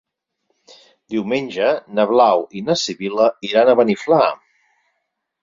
Diumenge na Blau i na Sibil·la iran a Beniflà.